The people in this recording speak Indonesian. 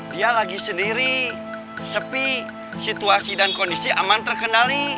dia lagi sendiri sepi situasi dan kondisi aman terkenali